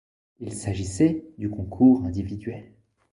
Il s'agissait du concours individuel.